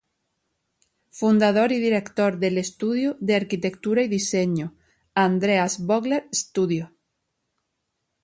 Fundador y director del estudio de arquitectura y diseño, Andreas Vogler Studio.